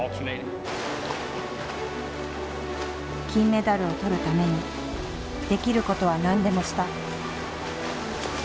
金メダルをとるためにできることは何でもした。